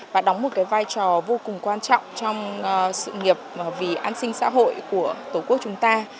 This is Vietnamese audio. và đóng một cái vai trò vô cùng quan trọng trong sự nghiệp vì an sinh xã hội của tổ quốc chúng ta